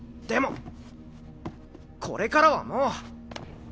でもこれからはもう。